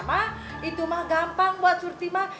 mah itu mah gampang buat surti mah